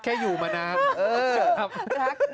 เอ้อนะคะ